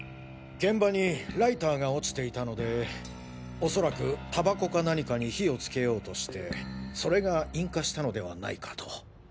現場にライターが落ちていたのでおそらくタバコか何かに火をつけようとしてそれが引火したのではないかと。